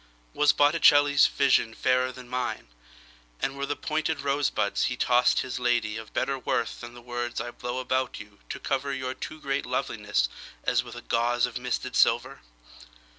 Was Botticelli's visionFairer than mine; And were the pointed rosebudsHe tossed his ladyOf better worthThan the words I blow about youTo cover your too great lovelinessAs with a gauzeOf misted silver?